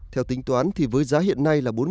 theo tính toán với giá hiện nay